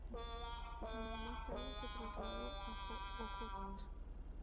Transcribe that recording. Más tarde se trasladó a Ojotsk.